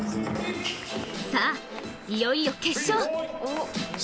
さあ、いよいよ決勝。